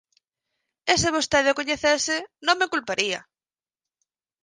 E se vostede o coñecese, non me culparía.